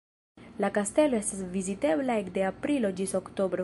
La kastelo estas vizitebla ekde aprilo ĝis oktobro.